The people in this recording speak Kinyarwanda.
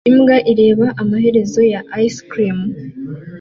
Imbwa ireba amaherezo ya ice cream